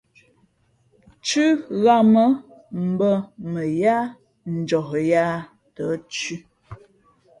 Thʉ́ ghāmα̌ mbᾱ mα yáá njαh yāā tα̌ thʉ̄.